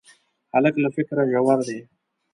هلک له فکره ژور دی.